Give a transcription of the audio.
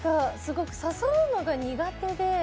すごく誘うのが苦手で。